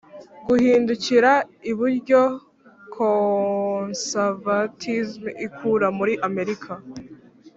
guhindukira iburyo: conservatism ikura muri amerika